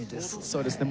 そうですね。